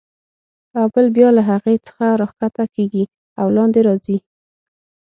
او بل بیا له هغې څخه راکښته کېږي او لاندې راځي.